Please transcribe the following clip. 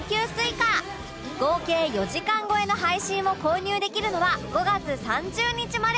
合計４時間超えの配信を購入できるのは５月３０日まで